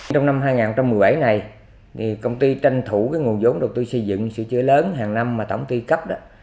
trong năm hai nghìn một mươi bảy này công ty tranh thủ nguồn giống đầu tư xây dựng sự chứa lớn hàng năm mà tổng ti cấp